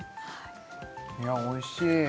いやおいしい